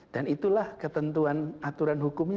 dan itulah ketentuan aturan hukumnya